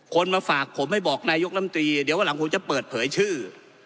มาฝากผมให้บอกนายกลำตีเดี๋ยววันหลังผมจะเปิดเผยชื่อ